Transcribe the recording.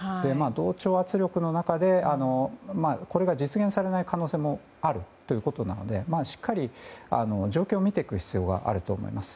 同調圧力の中でこれが実現されない可能性もあるということなのでしっかり状況を見ていく必要があると思います。